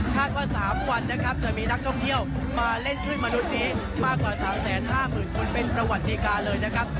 ว่า๓วันนะครับจะมีนักท่องเที่ยวมาเล่นคลื่นมนุษย์นี้มากกว่า๓๕๐๐๐คนเป็นประวัติการเลยนะครับ